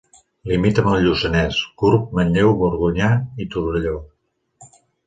Limita amb el Lluçanès, Gurb, Manlleu, Borgonyà i Torelló.